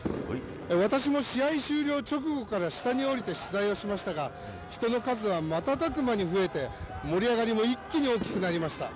私も、試合終了直後から下に下りて取材をしましたが人の数は、瞬く間に増えて盛り上がりも一気に大きくなりました。